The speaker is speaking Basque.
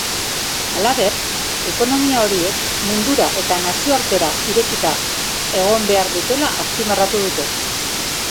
Halaber, ekomia horiek mundura eta nazioartera irekita egon behar dutela azpimarratu dute.